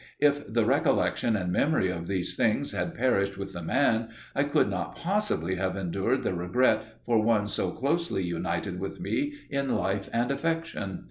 If the recollection and memory of these things had perished with the man, I could not possibly have endured the regret for one so closely united with me in life and affection.